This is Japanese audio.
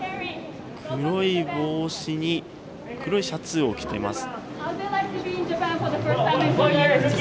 黒い帽子に黒いシャツを着ています。